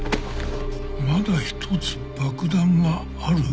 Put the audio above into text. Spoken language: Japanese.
まだ１つ爆弾がある？